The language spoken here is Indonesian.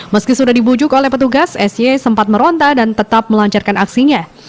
meski sudah dibujuk oleh petugas sy sempat meronta dan tetap melancarkan aksinya